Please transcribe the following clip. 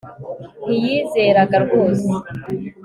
Ntiyizeraga rwose